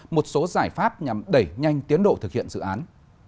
một số giải pháp nhằm đẩy nhanh tiến độ thực hiện dự án